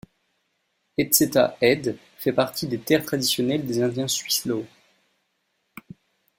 Heceta Head fait partie des terres traditionnelles des Indiens Siuslaw.